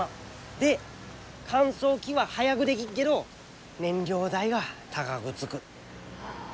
で乾燥機は早ぐでぎっけど燃料代が高ぐつく。